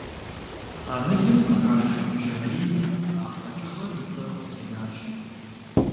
Къамылым къыхащӀыкӀ бжьамийм а къэкӀыгъэм и цӀэр къытенащ.